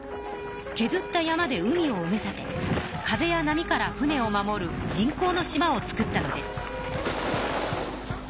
けずった山で海をうめ立て風や波から船を守る人工の島を造ったのです。